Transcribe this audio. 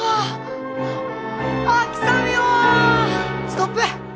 ストップ！